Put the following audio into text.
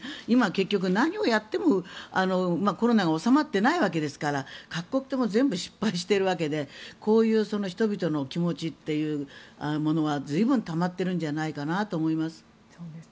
今、結局何をやってもコロナが収まってないわけですから各国とも全部失敗しているわけでこういう人々の気持ちというものは随分たまっているんじゃないかと思います。